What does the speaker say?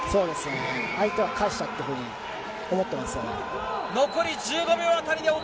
相手は返したというふうに思ってますから。